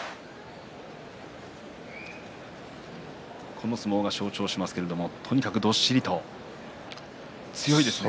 この相撲が象徴しますけれどもとにかくどっしりと強いですね。